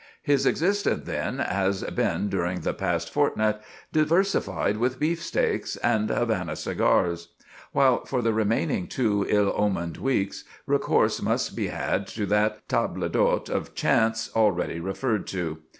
His existence, then, has been during the past fortnight diversified with beefsteaks ... and Havana cigars"; while for the remaining two ill omened weeks, recourse must be had to that "table d'hôte of chance" already referred to.